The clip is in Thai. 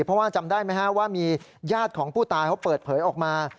เพราะว่าจำได้ไหมฮะว่ามีญาติของผู้ตายเขาเปิดเผยออกมา